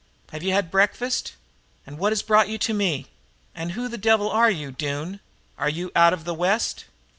Have you had breakfast? And what brought you to me? And who the devil are you, Doone? Are you out of the West?'